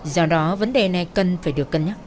do đó vấn đề này cần phải được cân nhắc